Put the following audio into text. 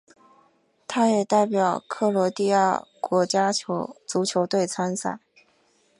他也代表克罗地亚国家足球队参赛。